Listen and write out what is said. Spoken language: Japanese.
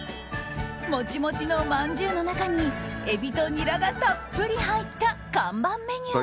モチモチのまんじゅうの中にエビとニラがたっぷり入った看板メニュー。